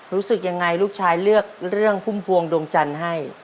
รู้สึกยังไงลูกชายเลือกเรื่องพุ่มพวงดวงจันทร์ให้